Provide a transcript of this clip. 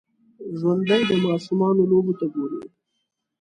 ژوندي د ماشومانو لوبو ته ګوري